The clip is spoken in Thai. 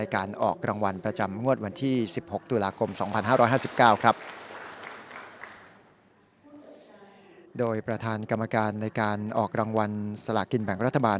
โดยประธานกรรมการในการออกรางวัลสลากินแบ่งรัฐบาล